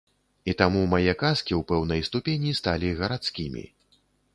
І таму мае казкі ў пэўнай ступені сталі гарадскімі.